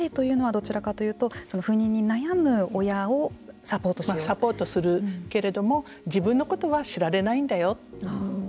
それまでというのはどちらかというと不妊に悩む親をサポートしよう。サポートするけれども自分のことは知られないんだよ。